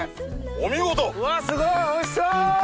お見事！わすごいおいしそう！